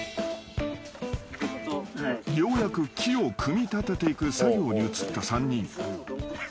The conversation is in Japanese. ［ようやく木を組み立てていく作業に移った３人］